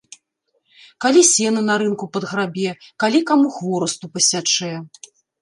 Калі сена на рынку падграбе, калі каму хворасту пасячэ.